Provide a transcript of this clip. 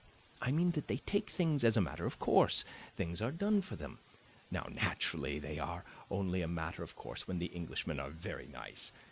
I mean that they take things as a matter of course things that are done for them. Now, naturally, they are only a matter of course when the Englishmen are very nice.